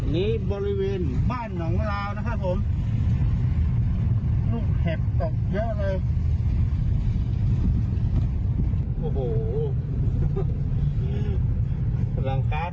นี่บริเวณบ้านหนังเหล่าน่ะครับผม